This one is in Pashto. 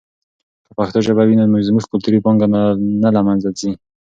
که پښتو ژبه وي نو زموږ کلتوري پانګه نه له منځه ځي.